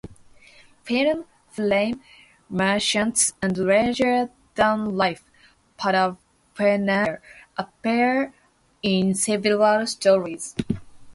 Flim-flam merchants and larger-than-life paraphernalia appear in several stories.